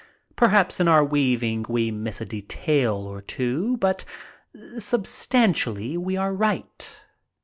Perhaps in our weaving we miss a detail or two, but substantially we are right.